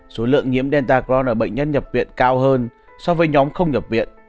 số lượng nhiễm delta cron ở bệnh nhân nhập viện cao hơn so với nhóm không nhập viện